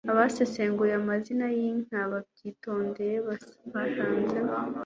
Abasesenguye amazina y'inka babyitondeye basanze